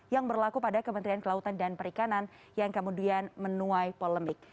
yang berlaku pada kementerian kelautan dan perikanan yang kemudian menuai polemik